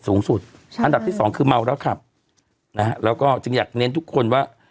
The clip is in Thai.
สองคือเมาและขับนะฮะแล้วก็จึงอยากเน้นทุกคนว่า